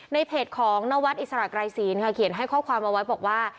ในเพจของนวัดอิสระไกรศีลค่ะเขียนให้ข้อความเอาไว้บอกว่า